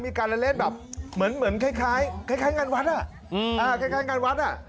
มีการเล่นเหมือนคล้ายงานวัด